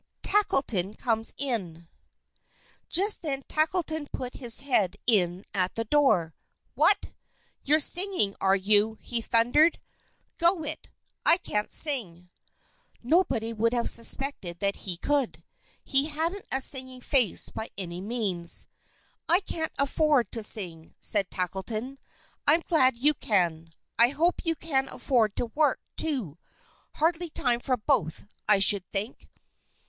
Tackleton Comes In Just then Tackleton put his head in at the door. "What! You're singing, are you?" he thundered. "Go it! I can't sing!" Nobody would have suspected that he could. He hadn't a singing face by any means. "I can't afford to sing," said Tackleton. "I'm glad you can. I hope you can afford to work, too. Hardly time for both, I should think."